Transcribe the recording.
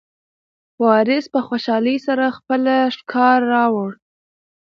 وارث په خوشحالۍ سره خپله ښکار راوړ.